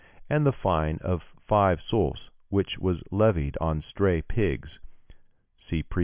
and the fine of five sous which was levied on stray pigs (see previous chapter), &c.